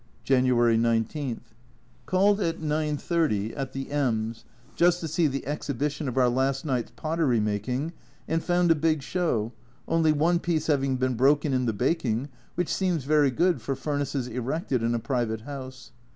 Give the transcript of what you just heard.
January 19. Called at 9.30 at the M s\ just to see the exhibition of our last night's pottery making, and found a big show, only one piece having been broken in the baking, which seems very good for furnaces erected in a private house.